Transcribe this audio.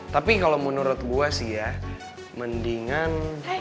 tapi kalo menurut gua sih ya mendingan